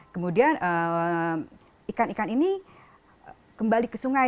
kemudian ikan ikan ini kembali ke sungai